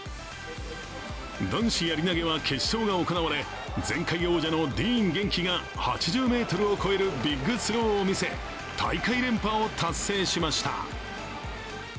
男子やり投げは決勝が行われ、前回王者のディーン元気が８０ｍを超えるビッグスローを見せ、大会連覇を達成しました。